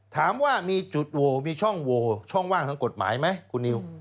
ถามว่ามีจุดโวมีช่องโหวช่องว่างทางกฎหมายไหมคุณนิว